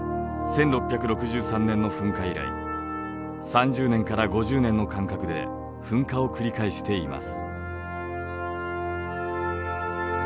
１６６３年の噴火以来３０年から５０年の間隔で噴火を繰り返しています。